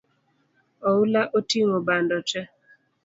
Oula oting’o bando tee